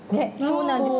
そうなんです。